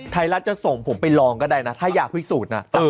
ไทยรัฐจะส่งผมไปลองก็ได้นะถ้าอยากพิสูจน์นะ